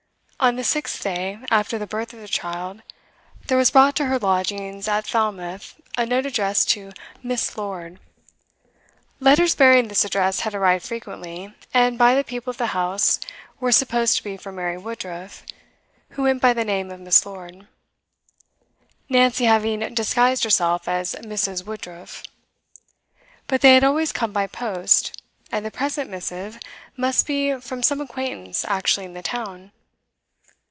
On the sixth day after the birth of the child, there was brought to her lodgings at Falmouth a note addressed to 'Miss. Lord.' Letters bearing this address had arrived frequently, and by the people of the house were supposed to be for Mary Woodruff, who went by the name of 'Miss. Lord,' Nancy having disguised herself as 'Mrs. Woodruff;' but they had always come by post, and the present missive must be from some acquaintance actually in the town.